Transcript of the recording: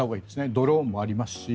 ドローンもありますし。